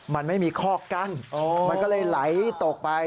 มันไม่มีคอกกั้นมันก็เลยไหลตกไป